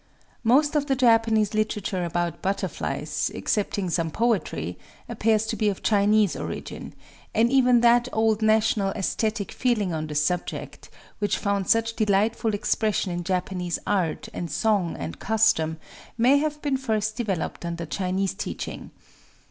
Most of the Japanese literature about butterflies, excepting some poetry, appears to be of Chinese origin; and even that old national aæsthetic feeling on the subject, which found such delightful expression in Japanese art and song and custom, may have been first developed under Chinese teaching.